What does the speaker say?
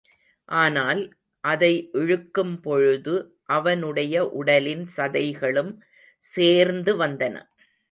ஆனால், அதை இழுக்கும் பொழுது அவனுடைய உடலின் சதைகளும் சேர்ந்து வந்தன.